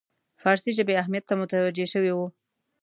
فارسي ژبې اهمیت ته متوجه شوی وو.